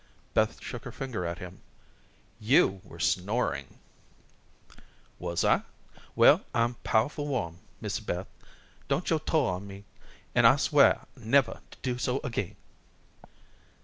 Beth shook her finger at him. "You were snoring." "Wuz I? Well, I'm powe'ful warm, Missy Beth. Don't yo' tole on me, an' I'll swah nevah to do so agin."